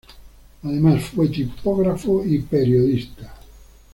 Además fue tipógrafo y periodista.